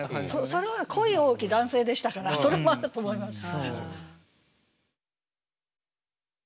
それは恋多き男性でしたからそれもあると思います。